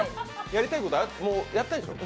やりたいこと、もうやったでしょう？